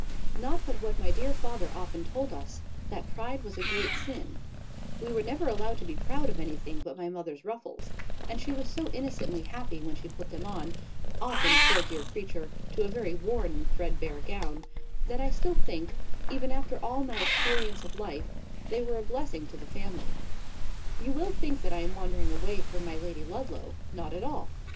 Not but what my dear father often told us that pride was a great sin; we were never allowed to be proud of anything but my mother's ruffles: and she was so innocently happy when she put them on,—often, poor dear creature, to a very worn and threadbare gown,—that I still think, even after all my experience of life, they were a blessing to the family. You will think that I am wandering away from my Lady Ludlow. Not at all.